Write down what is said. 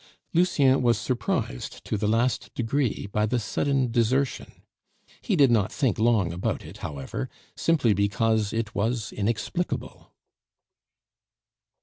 Lucien was surprised to the last degree by the sudden desertion; he did not think long about it, however, simply because it was inexplicable.